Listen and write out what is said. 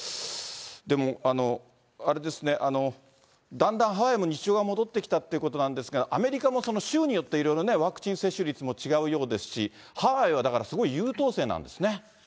でもあれですね、だんだんハワイも日常が戻ってきたっていうことなんですが、アメリカも州によっていろいろね、ワクチン接種率も違うようですし、ハワイはだからすごい優等生なんですね。